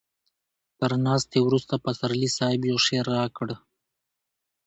تر ناستې وروسته پسرلي صاحب يو شعر راکړ.